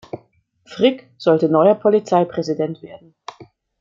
Frick sollte neuer Polizeipräsident werden.